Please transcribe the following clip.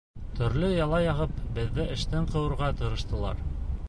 Төрлө яла яғып, беҙҙе эштән ҡыуырға тырыштылар.